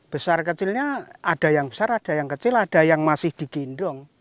besar kecilnya ada yang besar ada yang kecil ada yang masih digendong